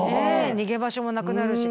逃げ場所もなくなるし。